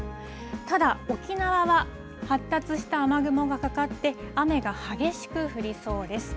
ただ、沖縄は発達した雨雲がかかって、雨が激しく降りそうです。